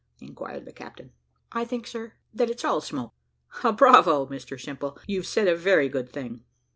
inquired the captain. "I think, sir, that it's all smoke." "Bravo, Mr Simple! you've said a very good thing."